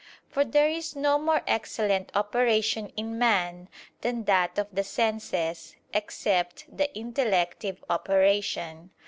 For there is no more excellent operation in man than that of the senses, except the intellective operation.